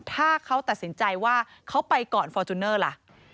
ถ้าเขาตัดสินใจว่าเขาไปก่อนฟอร์จูเนอร์ล่ะ